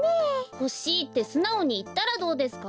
ほしいってすなおにいったらどうですか？